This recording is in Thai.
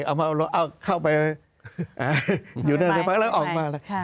ออกมาแล้ว